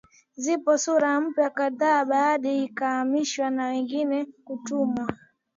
Zipo sura mpya kadhaa baadhi wakihamishwa na wengine kutemwa